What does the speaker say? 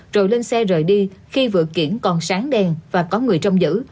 rồi lên xe rời đi khi vựa kiển còn sáng đen và có người trong giữ